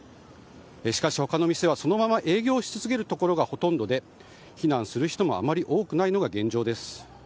しかしをそのまま営業し続けるところがほとんどで避難する人もあまり多くないのが現状です。